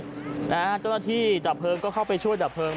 เจ้าหน้าที่ดับเพลิงก็เข้าไปช่วยดับเพลิง